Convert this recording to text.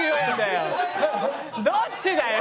どっちだよ。